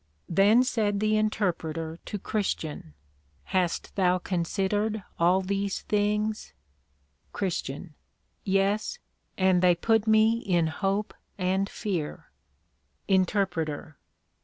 Then said the Interpreter to Christian, Hast thou considered all these things? CHR. Yes, and they put me in hope and fear. INTER.